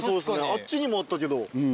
あっちにもあったけど。